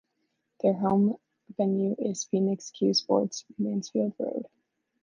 Their home venue is Phoenix Cue Sports, Mansfield Road.